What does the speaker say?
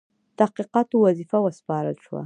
تحقیقاتو وظیفه وسپارله شوه.